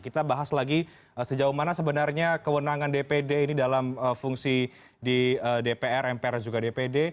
kita bahas lagi sejauh mana sebenarnya kewenangan dpd ini dalam fungsi di dpr mpr dan juga dpd